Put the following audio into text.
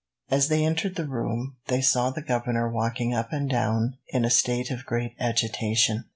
As they entered the room, they saw the governor walking up and down in a state of great agitation.